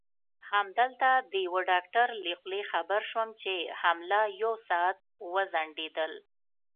همدلته د یوه ډاکټر له خولې خبر شوم چې حمله یو ساعت وځنډېدل.